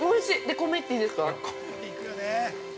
米いっていいですか。